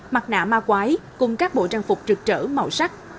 mặt nạ ma quái cùng các bộ trang phục trực trở màu sắc